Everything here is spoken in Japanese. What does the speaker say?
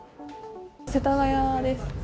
世田谷です。